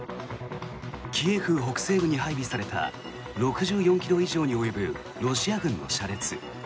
キエフ北西部に配備された６４ｋｍ以上に及ぶロシア軍の車列。